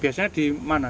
biasanya di mana